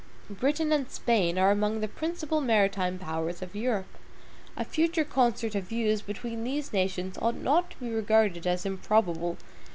Britain and Spain are among the principal maritime powers of Europe. A future concert of views between these nations ought not to be regarded as improbable.